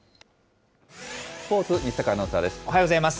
スポーツ、西阪アナウンサーです。